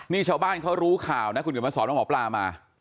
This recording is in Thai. นี่เช้าบ้านเขารู้ข่าวนะคุณก่อนมาสอบว่าหมอปลามา